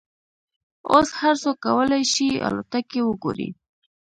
اوس هر څوک کولای شي الوتکې وګوري.